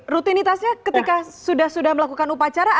rutinitasnya ketika sudah sudah melakukan upacara